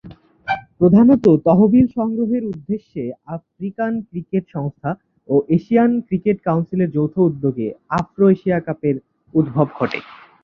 প্রধানতঃ তহবিল সংগ্রহের উদ্দেশ্যে আফ্রিকান ক্রিকেট সংস্থা ও এশিয়ান ক্রিকেট কাউন্সিলের যৌথ উদ্যোগে আফ্রো-এশিয়া কাপের উদ্ভব ঘটে।